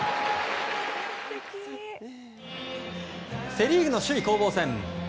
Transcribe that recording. セ・リーグの首位攻防戦。